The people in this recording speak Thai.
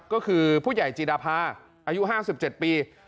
ก็คือผู้ใหญ่จีดาภาอายุ๕๗ปี